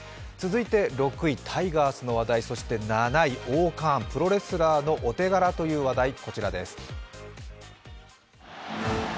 続いて６位、タイガースの話題７位、オーカーンプロレスラーのお手柄という話題。